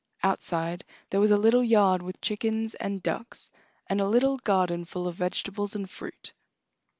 Outside there was a little yard with chickens and ducks, and a little garden full of vegetables and fruit.